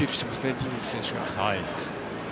ディニズ選手が。